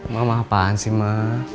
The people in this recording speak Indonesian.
mama apaan sih ma